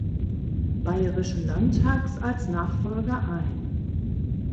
Bayerischen Landtags als Nachfolger ein.